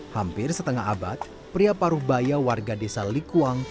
hampir setengah abad pria paruh baya warga desa likuang